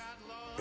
え。